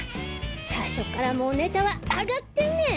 最初からもうネタは上がってんねん。